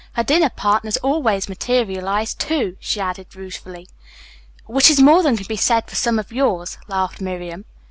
Her dinner partners always materialize, too," she added ruefully. "Which is more than can be said of some of yours," laughed Miriam.